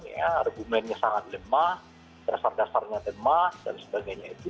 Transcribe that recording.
argumennya sangat lemah dasar dasarnya lemah dan sebagainya itu